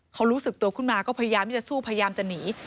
เขารู้สึกตัวขึ้นมาก็พยายามที่จะสู้พยายามจะหนี